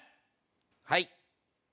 はい。